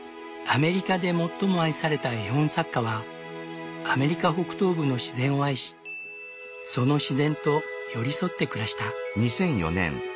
アメリカで最も愛された絵本作家はアメリカ北東部の自然を愛しその自然と寄り添って暮らした。